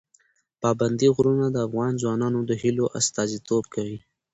پابندی غرونه د افغان ځوانانو د هیلو استازیتوب کوي.